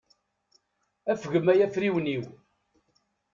Afgem ay afriwen-iw.